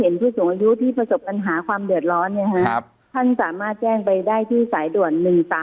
ผู้สูงอายุที่ประสบปัญหาความเดือดร้อนท่านสามารถแจ้งไปได้ที่สายด่วน๑๓๓